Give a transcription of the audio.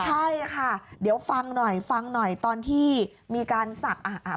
ใช่ค่ะเดี๋ยวฟังหน่อยฟังหน่อยตอนที่มีการศักดิ์